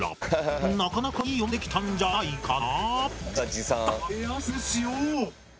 なかなかいい読みができたんじゃないかな！